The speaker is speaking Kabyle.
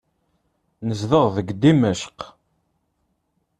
Nezdeɣ deg Dimecq.